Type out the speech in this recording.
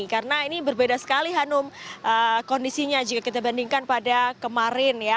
karena ini berbeda sekali hanum kondisinya jika kita bandingkan pada kemarin ya